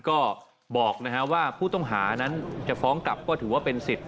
ก็บอกว่าผู้ต้องหานั้นจะฟ้องกลับก็ถือว่าเป็นสิทธิ